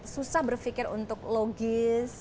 susah berpikir untuk logis